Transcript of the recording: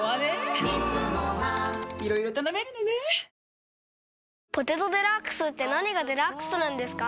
かくもんいくもん「ポテトデラックス」って何がデラックスなんですか？